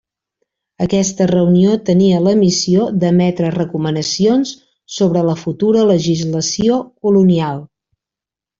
Aquesta reunió tenia la missió d'emetre recomanacions sobre la futura legislació colonial.